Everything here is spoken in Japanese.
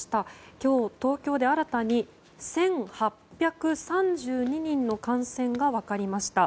今日、東京で新たに１８３２人の感染が分かりました。